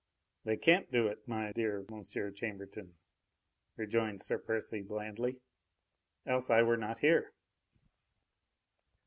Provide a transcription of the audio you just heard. "They can't do it, my dear Monsieur Chambertin," rejoined Sir Percy blandly, "else I were not here."